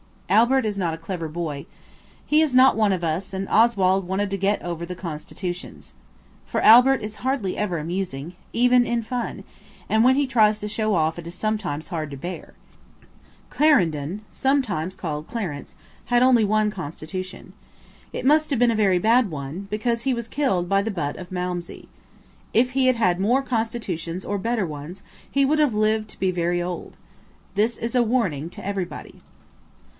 Albert is not a clever boy. He is not one of us, and Oswald wanted to get over the Constitutions. For Albert is hardly ever amusing, even in fun, and when he tries to show off it is sometimes hard to bear. He read– "THE CONSTITUTIONS OF CLARENDON. "Clarendon (sometimes called Clarence) had only one constitution. It must have been a very bad one, because he was killed by a butt of Malmsey. If he had had more constitutions or better ones he would have lived to be very old. This is a warning to everybody."